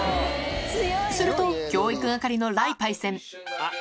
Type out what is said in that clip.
すると、教育係の雷パイセン。